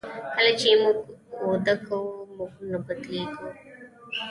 کله چې موږ وده کوو موږ نه بدلیږو.